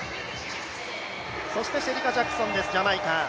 そしてシェリカ・ジャクソンです、ジャマイカ。